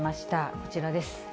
こちらです。